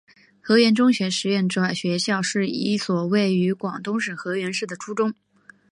河源中学实验学校是一所位于广东省河源市的初中。